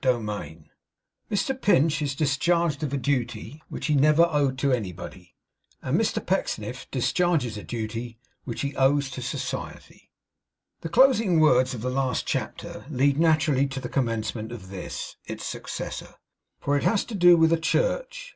CHAPTER THIRTY ONE MR PINCH IS DISCHARGED OF A DUTY WHICH HE NEVER OWED TO ANYBODY, AND MR PECKSNIFF DISCHARGES A DUTY WHICH HE OWES TO SOCIETY The closing words of the last chapter lead naturally to the commencement of this, its successor; for it has to do with a church.